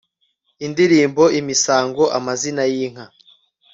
indirimbo, imisango, amazina y'inka